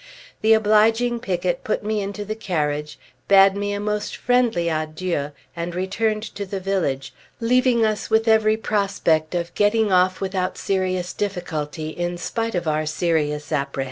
The obliging picket put me into the carriage, bade me a most friendly adieu, and returned to the village, leaving us with every prospect of getting off without serious difficulty, in spite of our serious apprehensions.